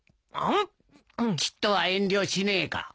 ちっとは遠慮しねえか。